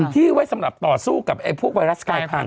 ที่ไว้สำหรับต่อสู้กับพวกไวรัสกายพันธ